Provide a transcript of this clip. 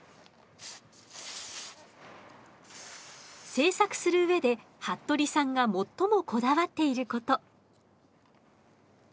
制作する上で服部さんが最もこだわっていること。